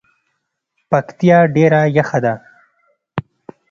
پکتیا ډیره یخه ده